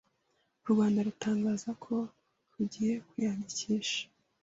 u Rwanda rutangaza ko rugiye kuyandikisha